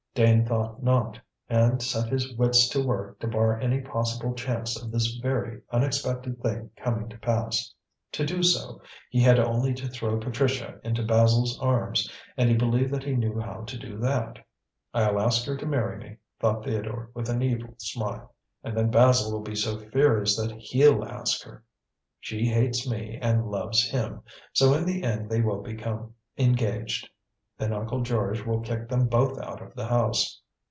Dane thought not, and set his wits to work to bar any possible chance of this very unexpected thing coming to pass. To do so, he had only to throw Patricia into Basil's arms and he believed that he knew how to do that. "I'll ask her to marry me," thought Theodore with an evil smile; "and then Basil will be so furious that he'll ask her. She hates me and loves him, so in the end they will become engaged. Then Uncle George will kick them both out of the house.